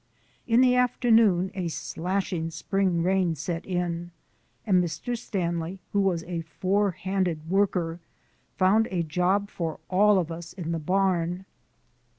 In the afternoon a slashing spring rain set in, and Mr. Stanley, who was a forehanded worker, found a job for all of us in the barn.